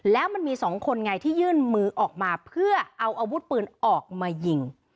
แล้วมันมีสองคนไงที่ยื่นมือออกมาเพื่อเอาอาวุธปืนออกมายิง